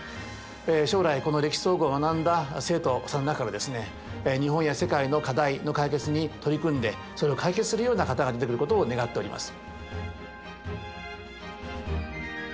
将来この「歴史総合」を学んだ生徒さんの中からですね日本や世界の課題の解決に取り組んでそれを解決するような方が出てくることを願っております。